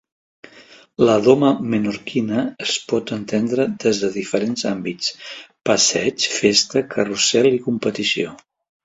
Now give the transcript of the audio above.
La doma menorquina es pot entendre des de diferents àmbits: passeig, festa, carrusel i competició.